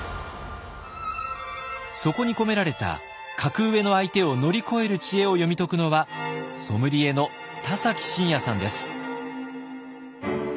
そこに込められた格上の相手を乗り越える知恵を読み解くのはソムリエの田崎真也さんです。